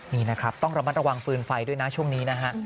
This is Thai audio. นี่นะครับต้องระมัดระวังฟืนไฟด้วยนะช่วงนี้นะฮะ